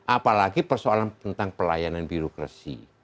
apalagi persoalan tentang pelayanan birokrasi